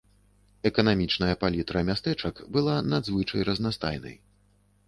Эканамічная палітра мястэчак была надзвычай разнастайнай.